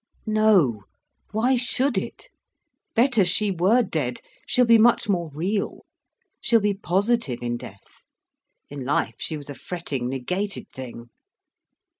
"No, why should it? Better she were dead—she'll be much more real. She'll be positive in death. In life she was a fretting, negated thing."